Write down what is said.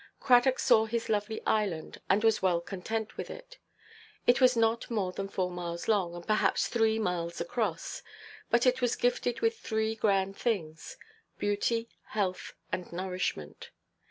Cradock saw his lovely island, and was well content with it. It was not more than four miles long, and perhaps three miles across; but it was gifted with three grand things—beauty, health, and nourishment.